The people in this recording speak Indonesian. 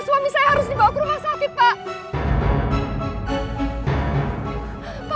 suami saya harus dibawa ke rumah sakit pak